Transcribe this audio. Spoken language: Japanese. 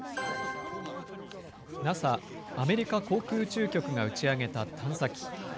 ＮＡＳＡ・アメリカ航空宇宙局が打ち上げた探査機。